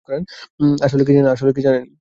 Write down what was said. আসলে কি জানেন?